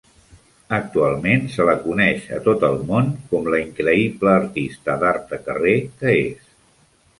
Actualment, se la coneix a tot el món com la increïble artista d'art de carrer que és.